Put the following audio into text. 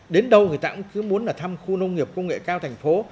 đến đâu người ta cũng cứ muốn là thăm khu nông nghiệp công nghệ cao thành phố